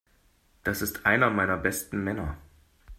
Das ist einer meiner besten Männer.